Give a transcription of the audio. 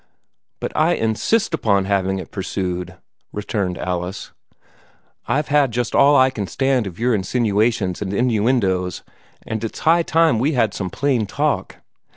"But I insist upon having it pursued!" returned Alice. "I've had just all I can stand of your insinuations and innuendoes, and it's high time we had some plain talk.